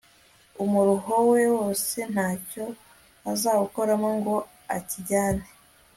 umuruho we wose nta cyo azawukuramo ngo akijyane